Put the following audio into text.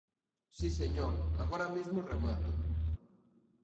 Si, señor, agora mesmo remato.